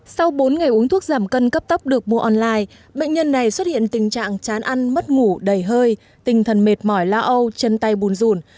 sau bốn ngày uống thuốc giảm cân cấp tốc được mua online bệnh nhân này xuất hiện tình trạng chán ăn mất ngủ đầy hơi tinh thần mệt mỏi la âu chân tay bùn rùn